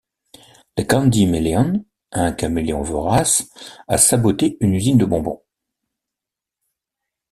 Le CandyMeleon, un caméléon vorace a saboté une usine de bonbons.